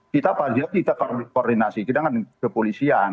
kita pasang kita koordinasi kita kan kepolisian